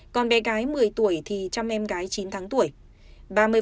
còn bé gái một mươi tuổi thì trăm em gái chín tháng tuổi